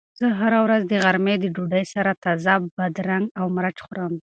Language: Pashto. زه هره ورځ د غرمې د ډوډۍ سره تازه بادرنګ او مرچ خورم.